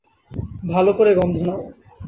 ভালো করে গন্ধ নাও।